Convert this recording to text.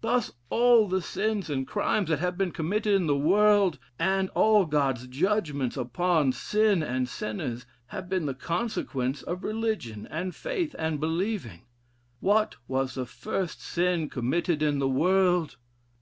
Thus all the sins and crimes that have been committed in the world, and all God's judgments upon sin and sinners have been the consequence of religion, and faith, and believing. What was the first sin committed in the world?